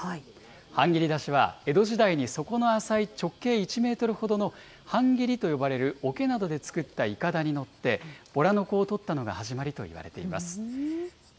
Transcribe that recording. ハンギリ出しは江戸時代に底の浅い直径１メートルほどのハンギリと呼ばれるおけなどで作ったいかだに乗って、ぼらの子を取ったのが始まりといわれています。